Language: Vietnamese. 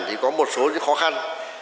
thì có một số những khó khăn